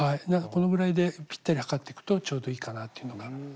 このぐらいでぴったり測ってくとちょうどいいかなというのが。